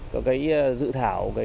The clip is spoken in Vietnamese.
còn cái dự thảo